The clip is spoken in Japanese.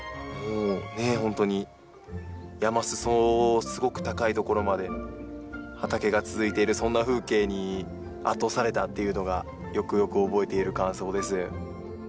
本当に山裾すごく高いところまで畑が続いてるそんな風景に圧倒されたっていうのがよくよく覚えている感想です。